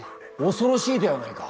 恐ろしいではないか。